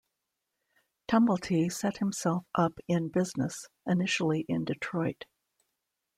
Tumblety set himself up in business, initially in Detroit.